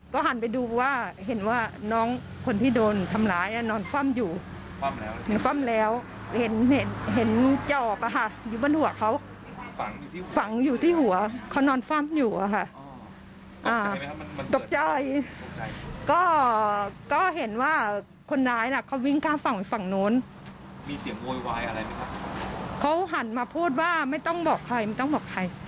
เขาหันมาพูดว่าไม่ต้องบอกใครไม่ต้องบอกใคร